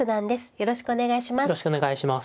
よろしくお願いします。